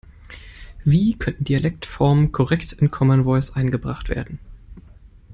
Wie könnten Dialektformen korrekt in Common Voice eingebracht werden?